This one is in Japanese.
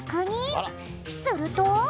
すると。